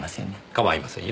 構いませんよ。